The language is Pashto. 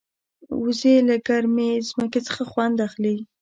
وزې له ګرمې ځمکې څخه خوند اخلي